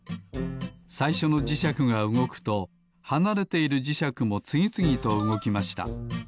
さいしょのじしゃくがうごくとはなれているじしゃくもつぎつぎとうごきました。